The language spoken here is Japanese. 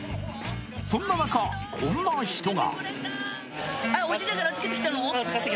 そんな中、こんな人が。